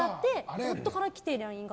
夫から来て、ＬＩＮＥが。